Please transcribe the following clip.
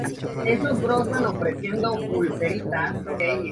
Debido a su uso tópico no hay descritas interacciones con este fármaco.